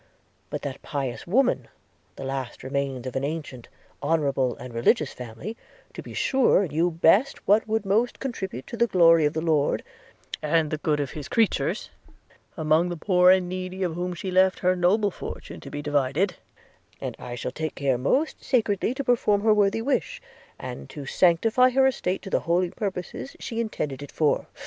But that pious woman, the last remains of an ancient, honourable, and religious family, to be sure knew best what would most contribute to the glory of the Lord, and the good of his creatures; among the poor and needy of whom she left her noble fortune to be divided, and I shall take care most sacredly to perform her worthy wish, and to sanctify her estate to the holy purposes she intended it for.'